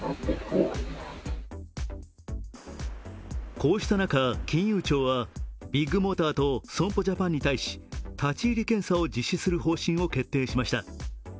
こうした中、金融庁はビッグモーターと損保ジャパンに対し、立ち入り検査を実施する方針を決定しました。